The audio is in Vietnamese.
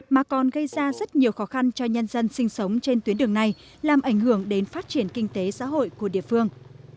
mà còn gây ra rất nhiều khó khăn cho nhân dân sinh sống trên tuyến đường này làm ảnh hưởng đến phát triển kinh tế xã hội của địa phương